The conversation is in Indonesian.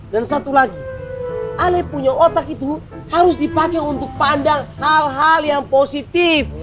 dan satu lagi ale punya otak itu harus dipake untuk pandang hal hal yang positif